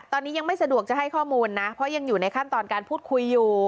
ตอนนี้ยังไม่สะดวกจะให้ข้อมูลนะเพราะยังอยู่ในขั้นตอนการพูดคุยอยู่